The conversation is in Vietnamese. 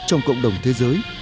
trong cộng đồng thế giới